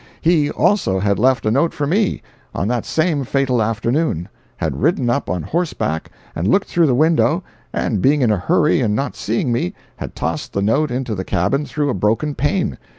He, also, had left a note for me, on that same fatal afternoon—had ridden up on horseback, and looked through the window, and being in a hurry and not seeing me, had tossed the note into the cabin through a broken pane.